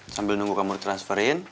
sambil nunggu kamu di transferin